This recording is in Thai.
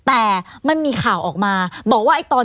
อันนี้มันระดับภัย